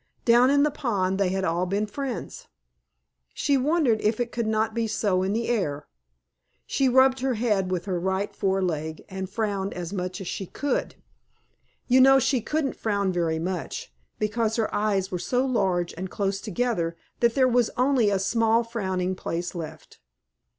Down in the pond they had all been friends. She wondered if it could not be so in the air. She rubbed her head with her right foreleg, and frowned as much as she could. You know she couldn't frown very much, because her eyes were so large and close together that there was only a small frowning place left.